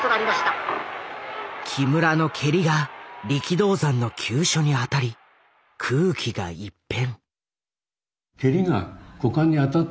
木村の蹴りが力道山の急所に当たり空気が一変。